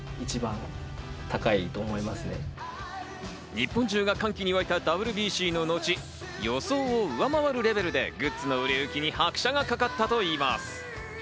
日本中が歓喜に沸いたＷＢＣの後、予想を上回るレベルでグッズの売れ行きに拍車がかかったといいます。